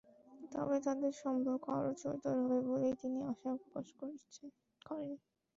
তবে তাদের সম্পর্ক আরও জোরদার হবে বলেই তিনি আশা প্রকাশ করেন।